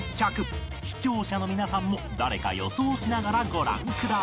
視聴者の皆さんも誰か予想しながらご覧ください